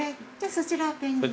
そちらペンギン。